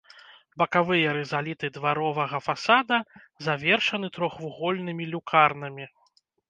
Бакавыя рызаліты дваровага фасада завершаны трохвугольнымі люкарнамі.